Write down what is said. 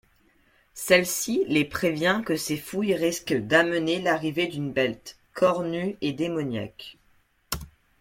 Celle-ci les prévient que ces fouilles risquent d'amener l'arrivée d'une bête cornue et démoniaque.